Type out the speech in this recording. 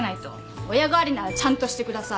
親代わりならちゃんとしてください。